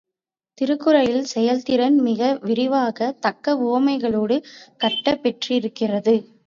திருக்குறளில் செயல்திறன் மிக விரிவாக, தக்க உவமைகளோடு காட்டப் பெற்றிருக்கிறது.